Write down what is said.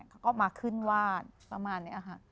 เขาก็มาขึ้นวาดประมาณนี้ค่ะ